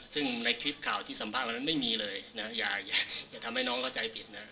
ซึ่งในคลิปข่าวที่สัมภาษณ์วันนั้นไม่มีเลยนะอย่าทำให้น้องเข้าใจผิดนะ